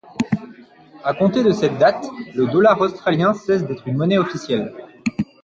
À compter de cette date, le dollar australien cesse d'être une monnaie officielle.